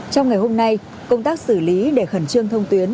trong ngày hôm nay công tác xử lý để khẩn trương thông tuyến